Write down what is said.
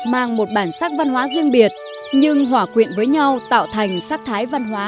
mang một bản sắc văn hóa riêng biệt nhưng hòa quyện với nhau tạo thành sắc thái văn hóa